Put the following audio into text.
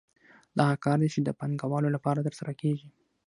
دا هغه کار دی چې د پانګوالو لپاره ترسره کېږي